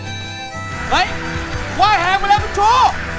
เฮ้ยว่ายแหงมาแล้วบุญชู